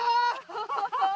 ハハハハ！